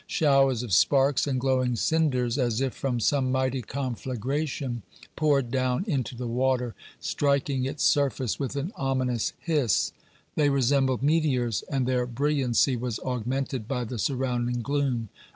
Showers of sparks and glowing cinders, as if from some mighty conflagration, poured down into the water, striking its surface with an ominous hiss; they resembled meteors, and their brilliancy was augmented by the surrounding gloom.